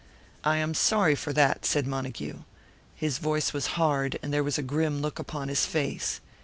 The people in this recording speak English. "I am sorry for that," said Montague. His voice was hard, and there was a grim look upon his face.